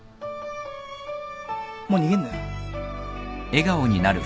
もう逃げんなよ。